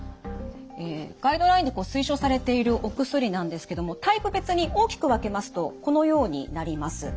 ガイドラインで推奨されているお薬なんですけどもタイプ別に大きく分けますとこのようになります。